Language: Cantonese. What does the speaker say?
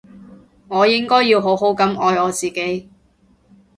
我應該要好好噉愛我自己